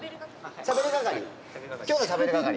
しゃべる係？